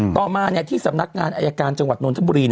ต่อมาที่สำนักงานอายการจังหวัดนทบุรี